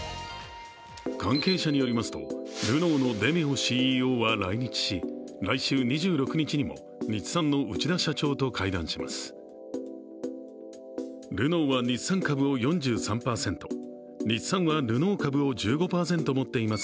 関係者によりますと、ルノーのデメオＣＥＯは来日し、来週２６日にも日産の内田社長と会談します。